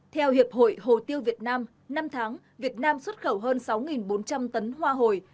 theo hiệp hội hồ tiêu việt nam năm tháng việt nam xuất khẩu hơn sáu bốn trăm linh tấn hoa hồi